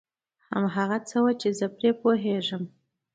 همدا هغه څه و چي زه پرې پوهېږم.